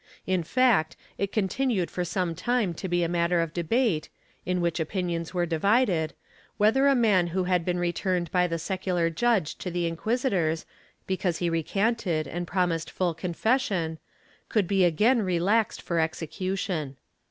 ^ In fact, it continued for some time to be a matter of debate, in which opinions were divided, whether a man who had been returned by the secular judge to the inquisitors, because he recanted and promised full confession, could be again relaxed for execution.